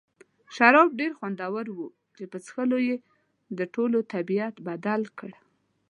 شراب ډېر خوندور وو چې په څښلو یې د ټولو طبیعت بدل کړ.